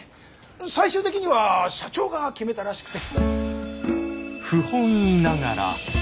最終的には社長が決めたらしくて。